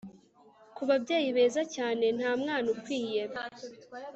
kubabyeyi beza cyane nta mwana ukwiye